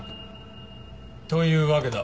というわけだ。